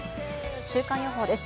週間予報です。